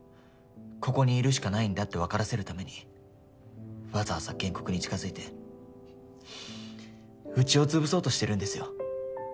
ここにいるしかないんだって分からせるためにわざわざ原告に近づいてウチを潰そうとしてるんですよ。